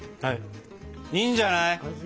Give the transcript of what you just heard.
いいんじゃない？